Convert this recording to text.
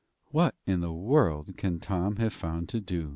"What in the world can Tom have found to do?"